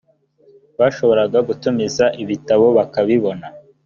bashoboraga gutumiza ibitabo bakabibona